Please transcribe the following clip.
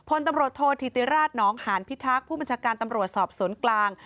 พลตำรวจโทษธิติราชน้องหานพิทักษ์ผู้บัญชาการตำรวจสอบสวนกลาง